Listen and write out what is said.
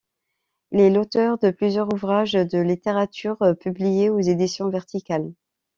Il est l'auteur de plusieurs ouvrages de littérature publiés aux éditions Verticales.